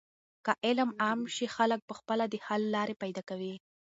که علم عام شي، خلک په خپله د حل لارې پیدا کوي.